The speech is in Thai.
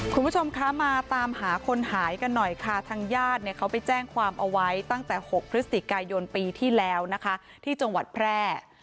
คุณผู้ชมคะมาตามหาคนหายกันหน่อยค่ะทางญาติเนี่ยเขาไปแจ้งความเอาไว้ตั้งแต่๖พฤศจิกายนปีที่แล้วนะคะที่จังหวัดแพร่